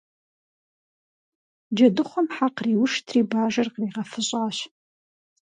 Джэдыхъуэм хьэ къриуштри Бажэр къригъэфыщӀащ.